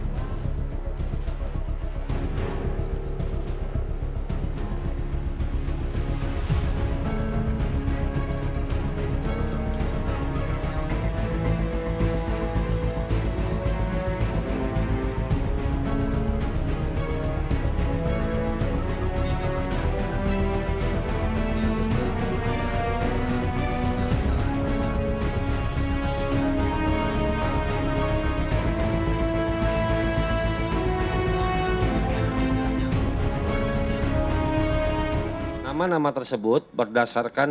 nama nama tersebut berdasarkan